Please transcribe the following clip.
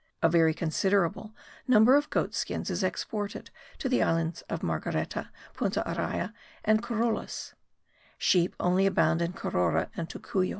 A very considerable number of goat skins is exported to the island of Marguerita, Punta Araya and Corolas; sheep abound only in Carora and Tocuyo.